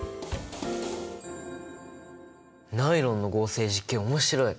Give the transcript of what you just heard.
ナイロンの合成実験面白い！